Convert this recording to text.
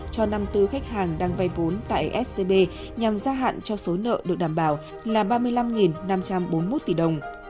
cho năm mươi bốn khách hàng đang vay vốn tại scb nhằm gia hạn cho số nợ được đảm bảo là ba mươi năm năm trăm bốn mươi một tỷ đồng